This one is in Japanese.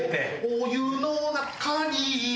「お湯の中にも」